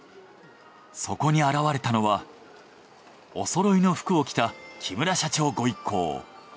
そこに現れたのはおそろいの服を着た木村社長ご一行。